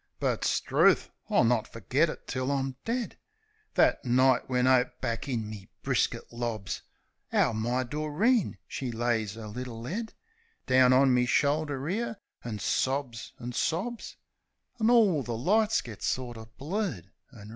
But 'struth! I'll not forgit it till I'm dead— That night when 'ope back in me brisket lobs: 'Ow my Doreen she lays 'er little 'ead Down on me shoulder 'ere, an' sobs an' sobs; An' orl the lights goes sorter blurred an' red.